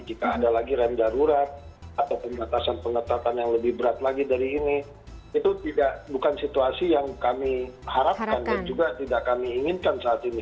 jika ada lagi rem darurat atau pembatasan pengetatan yang lebih berat lagi dari ini itu bukan situasi yang kami harapkan dan juga tidak kami inginkan saat ini